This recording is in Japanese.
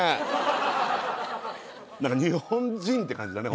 「日本人」って感じだね